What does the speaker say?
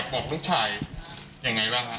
พ่อของสทเปี๊ยกบอกว่า